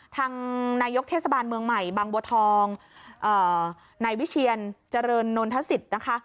ทางนายกเทศบาลเมืองใหม่บังบัวทองเอ่อนายวิเชียรเจริญนทัศน์สิทธิ์นะคะ